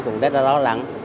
còn tết nó ló lắng